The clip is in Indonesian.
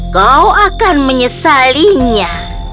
kau akan menyesalinya